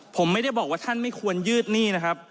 ผมไม่ได้บอกว่าท่านไม่ควรยืดหนี้นะครับ